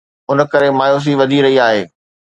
ان ڪري مايوسي وڌي رهي آهي.